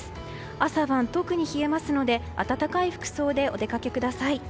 朝晩、特に冷えますので暖かい服装でお出かけください。